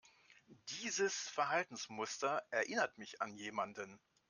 Dieses Verhaltensmuster erinnert mich an jemanden.